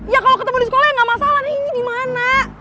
ya kalo ketemu di sekolah ya gak masalah ini dimana